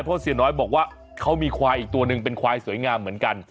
เพราะเสียน้อยบอกว่าเขามีควายอีกตัวหนึ่งเป็นควายสวยงามเหมือนกัน